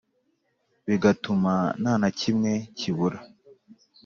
bigatuma nta na kimwe kibura.